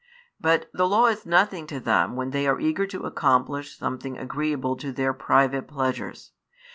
But the law is nothing to them when they are eager to accomplish something agreeable to their private pleasures.